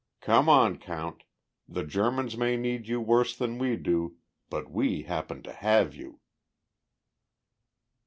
"Come on, Count. The Germans may need you worse than we do but we happen to have you!"